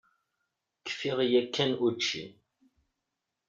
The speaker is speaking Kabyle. Kfiɣ yakan učči.